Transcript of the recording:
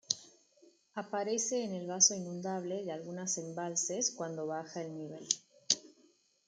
Aparece en el vaso inundable de algunas embalses, cuando baja el nivel.